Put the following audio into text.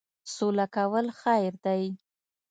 سوله کول خیر دی.